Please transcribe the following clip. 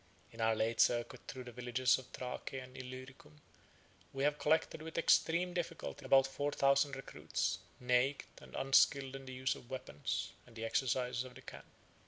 In our late circuit through the villages of Thrace and Illyricum, we have collected, with extreme difficulty, about four thousand recruits, naked, and unskilled in the use of weapons and the exercises of the camp.